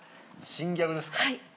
新ギャグですか？